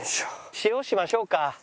塩しましょうか。